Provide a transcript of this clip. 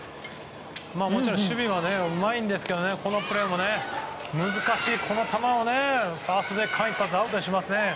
もちろん守備もうまいんですけどこのプレーも難しい球をファーストで間一髪アウトにします。